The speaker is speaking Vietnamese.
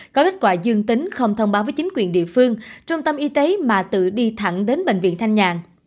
có kết quả dương tính không thông báo với chính quyền địa phương trung tâm y tế mà tự đi thẳng đến bệnh viện thanh nhàn